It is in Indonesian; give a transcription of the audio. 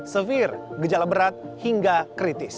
severe gejala berat hingga kritis